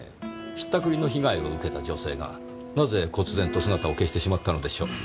引ったくりの被害を受けた女性がなぜ忽然と姿を消してしまったのでしょう。